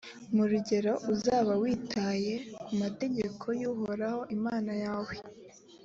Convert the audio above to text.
mu rugero uzaba witaye ku mategeko y’uhoraho imana yawe,